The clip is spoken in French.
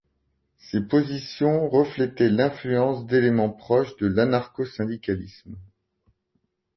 Ces positions reflétaient l'influence d'éléments proches de l'anarcho-syndicalisme.